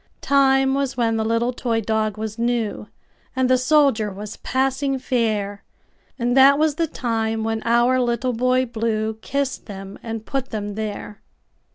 Time was when the little toy dog was new, And the soldier was passing fair; And that was the time when our Little Boy BlueKissed them and put them there.